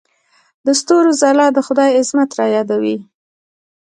د ستورو ځلا د خدای عظمت رايادوي.